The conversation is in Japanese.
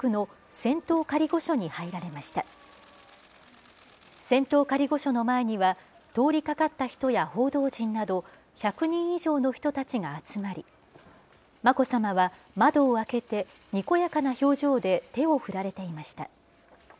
仙洞仮御所の前には、通りかかった人や報道陣など、１００人以上の人たちが集まり、眞子さまは、窓を開けて、にこやかな表情で手を振られていました。